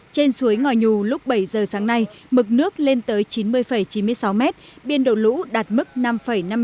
trên suối ngòi nhù lúc bảy giờ sáng nay mực nước lên tới chín mươi chín mươi sáu mét biên độ lũ đạt mức năm năm mươi m